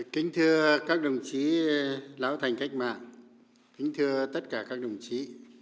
kính thưa các đồng chí lão thành cách mạng kính thưa tất cả các đồng chí